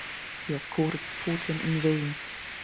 He has courted Fortune in vain.